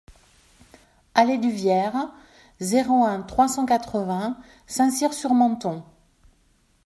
Allée du Vierre, zéro un, trois cent quatre-vingts Saint-Cyr-sur-Menthon